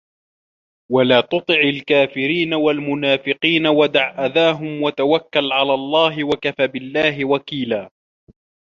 وَلا تُطِعِ الكافِرينَ وَالمُنافِقينَ وَدَع أَذاهُم وَتَوَكَّل عَلَى اللَّهِ وَكَفى بِاللَّهِ وَكيلًا